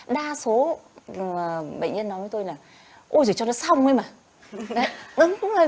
đa số bệnh nhân nói với tôi là ôi giời cho nó xong đi mà